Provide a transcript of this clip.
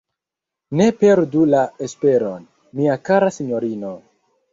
Ne perdu la esperon, mia kara sinjorino!